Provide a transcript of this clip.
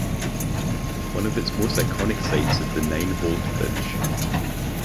One of its most iconic sites is the Nine-holed Bridge.